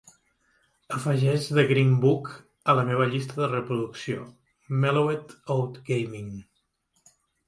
Afegeix The Green Book a la meva llista de reproducció Mellowed Out Gaming.